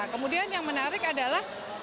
kemudian yang menarik adalah